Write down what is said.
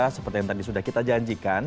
seperti yang tadi sudah kita janjikan